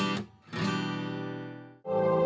ท่านเป็นสองแห่งหลังเพื่อให้บ้านเหมือนชาวประชา